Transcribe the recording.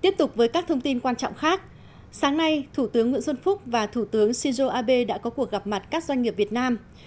tiếp tục với các thông tin quan trọng khác sáng nay thủ tướng nguyễn xuân phúc và thủ tướng shinzo abe đã có cuộc gặp mặt các doanh nghiệp việt nam